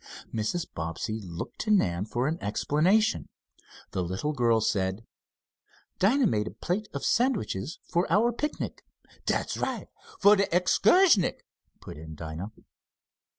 Mrs. Bobbsey looked to Nan for an explanation. The little girl said: "Dinah made a plate of sandwiches for our picnic " "Dat's right, for de excursnick," put in Dinah.